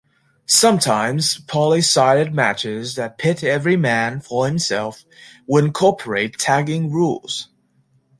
Sometimes, poly-sided matches that pit every man for himself will incorporate tagging rules.